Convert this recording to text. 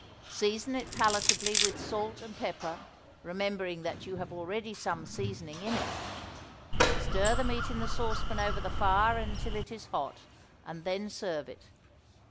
Season it palatably with salt and pepper, remembering that you already have some seasoning in it. Stir the meat in the saucepan over the fire until it is hot, and then serve it.